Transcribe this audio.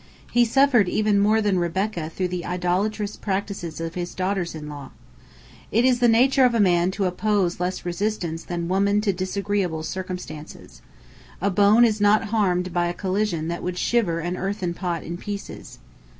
He suffered even more than Rebekah through the idolatrous practices of his daughters in law. It is the nature of man to oppose less resistance than woman to disagreeable circumstances. A bone is not harmed by a collision that would shiver an earthen pot in pieces.